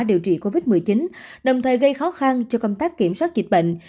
điều trị covid một mươi chín đồng thời gây khó khăn cho công tác kiểm soát dịch bệnh